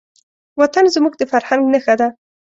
وطن زموږ د فرهنګ نښه ده.